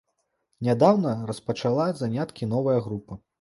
Нядаўна распачала заняткі новая група.